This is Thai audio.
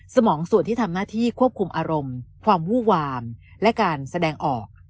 สมองส่วนที่ทำหน้าที่ควบคุมอารมณ์ความวู้วามและการแสดงออก